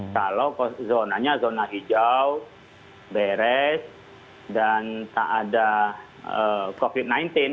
kalau zonanya zona hijau beres dan tak ada covid sembilan belas